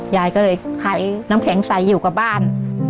ยายก็เลยขายน้ำแข็งใสอยู่กับบ้าน